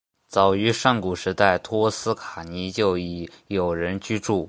早于上古时代托斯卡尼就已有人居住。